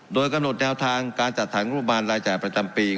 โดยกำหนดแนวทางการจัดสรรงบประมาณรายจ่ายประจำปี